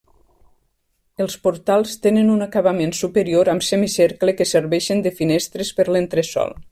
Els portals tenen un acabament superior amb semicercle que serveixen de finestres per l'entresòl.